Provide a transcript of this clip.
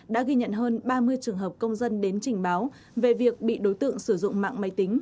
đã ghi nhận hơn ba mươi trường hợp công dân đến trình báo về việc bị đối tượng sử dụng mạng máy tính